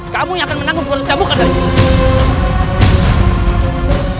kamu yang akan menanggung dua tercambukan dari aku